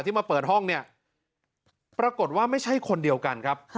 มาเปิดห้องเนี่ยปรากฏว่าไม่ใช่คนเดียวกันครับ